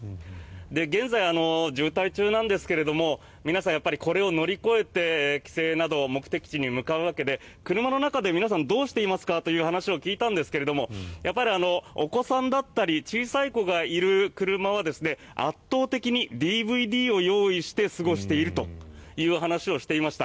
現在、渋滞中なんですが皆さんこれを乗り越えて帰省など目的地に向かうわけで車の中で皆さん、どうしていますかという話を聞いたんですがお子さんだったり小さい子がいる車は圧倒的に、ＤＶＤを用意して過ごしているという話をしていました。